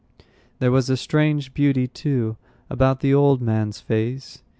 There was a strange beauty, too, about the old man's face.